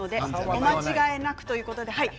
お間違いなくということです。